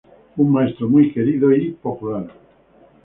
Fue un maestro muy querido y popular.